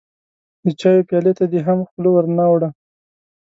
د چايو پيالې ته دې هم خوله ور نه وړه.